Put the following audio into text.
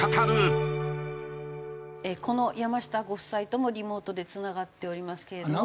この山下ご夫妻ともリモートでつながっておりますけれども。